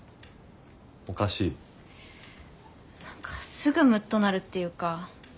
おかしい？何かすぐムッとなるっていうか。